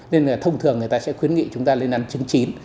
nên là thông thường người ta sẽ khuyến nghị chúng ta lên ăn chín